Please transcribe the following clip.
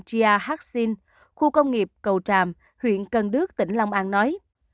chia haksin khu công nghiệp cầu tràm huyện cần đước tỉnh long an nói